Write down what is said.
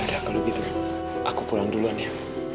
ya kalau gitu aku pulang duluan ya